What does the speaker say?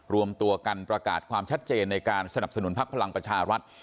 รวมตัวกันประกาศความชัดเจนสนับสนุนภพพลังปัชฌาวัตร